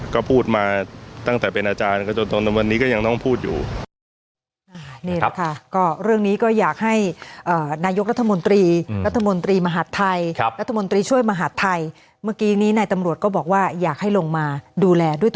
ก็พูดมาตั้งแต่เป็นอาจารย์ก็จนวันนี้ก็ยังต้องพูดอยู่